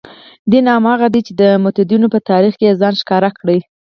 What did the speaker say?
دین هماغه دی چې د متدینو په تاریخ کې یې ځان ښکاره کړی.